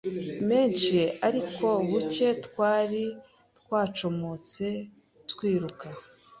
menshi ariko bacye twari twacomotse twirutse